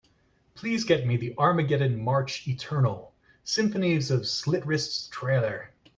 Please get me the Armageddon March Eternal – Symphonies of Slit Wrists trailer.